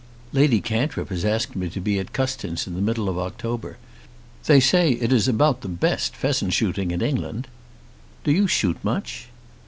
"Lady Cantrip has asked me to be at Custins in the middle of October. They say it is about the best pheasant shooting in England." "Do you shoot much?"